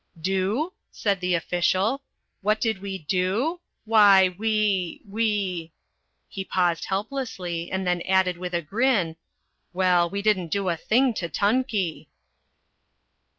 "Do?" said the official. "What did we do? Why, we we " He paused helplessly, and then added, with a grin: "Well, we didn't do a thing to Tunkey!"